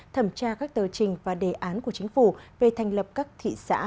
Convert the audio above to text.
thẩm tra các tờ trình và đề án của chính phủ về thành lập các thị xã